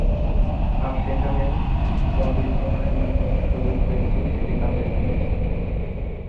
আর সেখানে কদিন অনুশীলনের সুযোগ পেয়েছি, সেটা কাজে লাগিয়েছি।